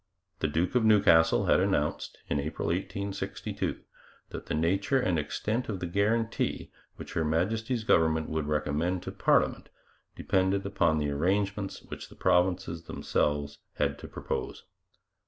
The Duke of Newcastle had announced in April 1862 that the nature and extent of the guarantee which Her Majesty's government would recommend to parliament depended upon the arrangements which the provinces themselves had to propose.